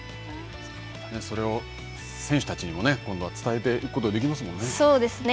それを選手たちにも今度は伝えていくことができますそうですね。